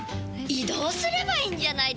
移動すればいいんじゃないですか？